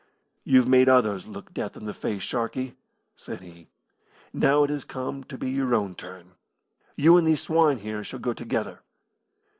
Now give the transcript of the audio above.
"You've made others look death in the face, Sharkey," said he; "now it has come to be your own turn. You and these swine here shall go together!"